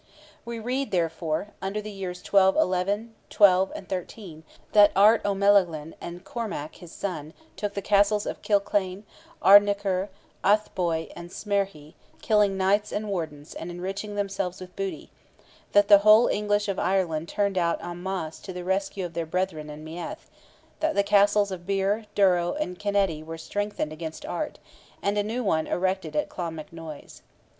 We read, therefore, under the years 1211, '12 and '13, that Art O'Melaghlin and Cormac, his son, took the castles of Killclane, Ardinurcher, Athboy, and Smerhie, killing knights and wardens, and enriching themselves with booty; that the whole English of Ireland turned out en masse to the rescue of their brethren in Meath; that the castles of Birr, Durrow, and Kinnetty were strengthened against Art, and a new one erected at Clonmacnoise.